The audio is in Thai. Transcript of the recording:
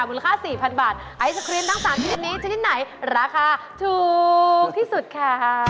มูลค่า๔๐๐บาทไอศครีมทั้ง๓ชนิดนี้ชนิดไหนราคาถูกที่สุดค่ะ